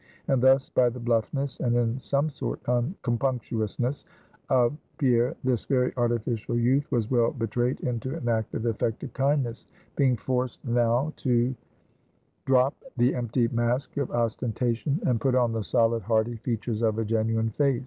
And thus, by the bluffness and, in some sort, uncompunctuousness of Pierre, this very artificial youth was well betrayed into an act of effective kindness; being forced now to drop the empty mask of ostentation, and put on the solid hearty features of a genuine face.